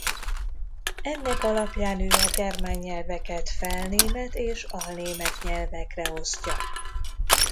Ennek alapján ő a germán nyelveket felnémet és alnémet nyelvekre osztja.